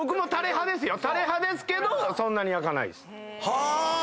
はぁ！